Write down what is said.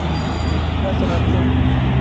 Ez reviyam.